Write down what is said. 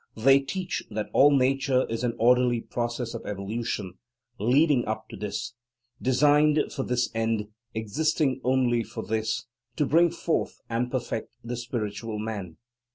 They teach that all nature is an orderly process of evolution, leading up to this, designed for this end, existing only for this: to bring forth and perfect the Spiritual Man.